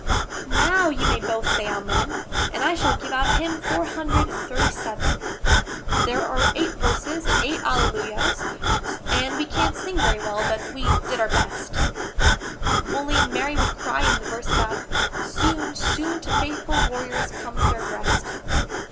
Now you may both say Amen, and I shall give out hymn four hundred and thirty seven." There are eight verses and eight Alleluias, and we can't sing very well, but we did our best, Only Mary would cry in the verse about "Soon, soon to faithful warriors comes their rest!"